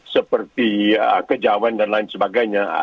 seperti kejawen dan lain sebagainya